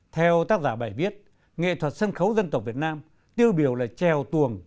theo tác giả bài viết nghệ thuật sân khấu dân tộc việt nam tiêu biểu là trèo tuồng